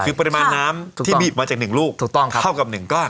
คือปริมาณน้ำที่บีบมาจากหนึ่งลูกเท่ากับหนึ่งก้อน